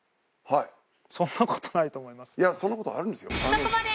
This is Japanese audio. そこまで！